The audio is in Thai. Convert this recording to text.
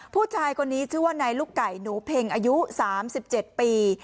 ผู้ชายคนนี้ชื่อว่านายลูกไก่หนูเพ็งอายุ๓๗ปี